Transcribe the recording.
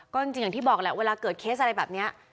ก็จริงอย่างที่บอกแหละเวลาเกิดเคสอะไรแบบนี้